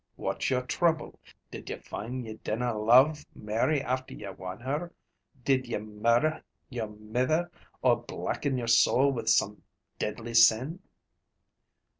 What's your trouble? Did ye find ye dinna love Mary after ye won her? Did ye murder your mither or blacken your soul with some deadly sin?